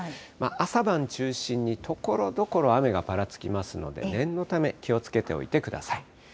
朝晩中心にところどころ、雨がぱらつきますので、念のため気をつけておいてください。